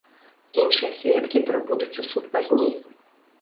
Іншыя сведкі прыбудуць у суд пазней.